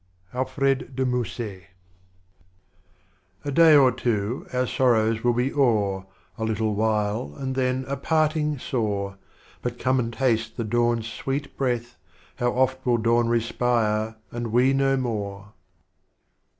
r^A^red de Musset. A Day or two, our sorrows will be o'er, A little while and then a Parting sore, But come and taste the Dawn's Sweet breath, How oft will Dawn respire, and We no more!